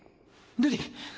瑠璃！